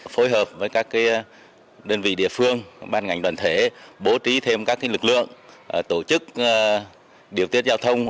phối hợp với các đơn vị địa phương ban ngành đoàn thể bố trí thêm các lực lượng tổ chức điều tiết giao thông